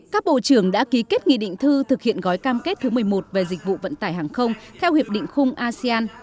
các bộ trưởng đã ký kết nghị định thư thực hiện gói cam kết thứ một mươi một về dịch vụ vận tải hàng không theo hiệp định khung asean